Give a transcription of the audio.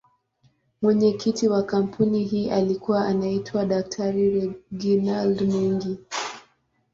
Mwenyekiti wa kampuni hii alikuwa anaitwa Dr.Reginald Mengi.